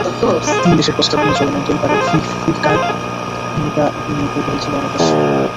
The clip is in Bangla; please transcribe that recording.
তিন দেশের প্রস্তাব নিয়ে চলমান তোলপাড়ে ফিকার ভূমিকা নিয়ে কৌতূহল ছিল অনেকের।